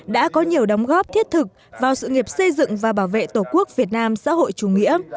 đã có nhiều đóng góp thiết thực vào sự nghiệp xây dựng và bảo vệ tổ quốc việt nam xã hội chủ nghĩa